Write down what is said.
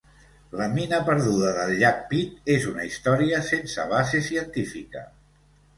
La mina perduda del llac Pitt és una història sense base científica.